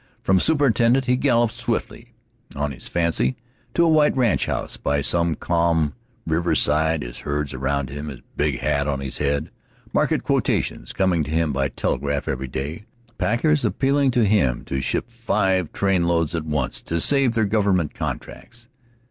From superintendent he galloped swiftly on his fancy to a white ranchhouse by some calm riverside, his herds around him, his big hat on his head, market quotations coming to him by telegraph every day, packers appealing to him to ship five trainloads at once to save their government contracts.